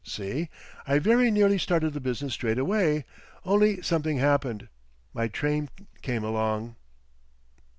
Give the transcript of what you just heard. See? I very nearly started the business straight away, only something happened. My train came along."